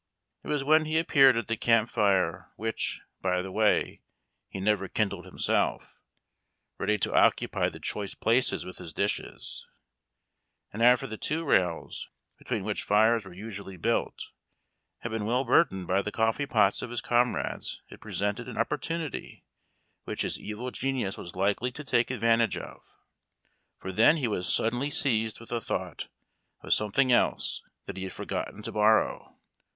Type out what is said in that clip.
It was wiien he appeared at the camp fire which, by the way, he never kindled himself, ready to occupy the choice places with his dishes ; and after the two rails, between which fires w^ere usually built, had been well burdened by the coffee pots of his comrades it presented an opportunity which his evil genius was likely to take advantage of; for then he was suddenl}^ seized with a thouglit of something else that he had forgotten to borrow.